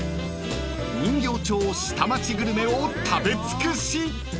［人形町下町グルメを食べ尽くし！］